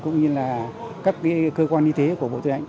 cũng như là các cơ quan y tế của bộ tư lệnh